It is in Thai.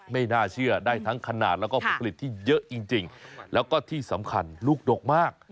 ไม่น่าเชื่อได้ทั้งขนาดแล้วก็ผลผลิตที่เยอะจริงแล้วก็ที่สำคัญลูกดกมาก